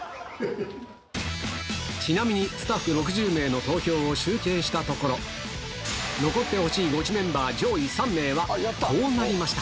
ちなみに、スタッフ６０名の投票を集計したところ、残ってほしいゴチメンバー上位３名は、こうなりました。